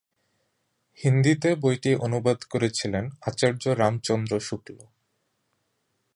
হিন্দিতে বইটি অনুবাদ করেছিলেন আচার্য রামচন্দ্র শুক্ল।